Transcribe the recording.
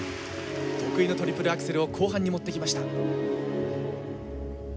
得意のトリプルアクセルを後半に持ってきました。